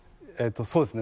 そうですね。